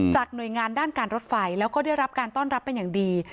หน่วยงานด้านการรถไฟแล้วก็ได้รับการต้อนรับเป็นอย่างดี